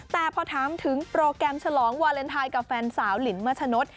แต่พอถามถึงโปรแกรมฉลองวาเลนไทยกับแฟนสาวหลินมัชนด